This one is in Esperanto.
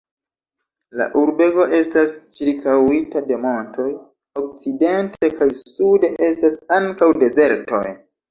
La urbego estas ĉirkaŭita de montoj, okcidente kaj sude estas ankaŭ dezertoj.